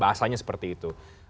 bahasanya seperti itu